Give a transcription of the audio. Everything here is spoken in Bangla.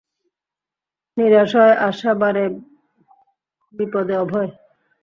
“নিরাশয় আশা বাড়ে বিপদে অভয়